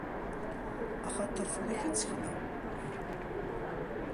Axaṭer fell-ak i ttekleɣ!